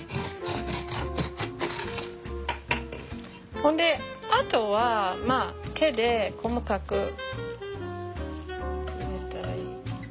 ほんであとはまあ手で細かく入れたらいい。